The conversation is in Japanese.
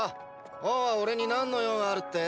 王は俺に何の用があるってー？